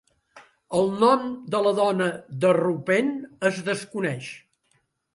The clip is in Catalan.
El nom de la dona de Roupen es desconeix.